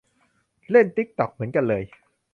เล่นติ๊กต็อกเหมือนกันเลย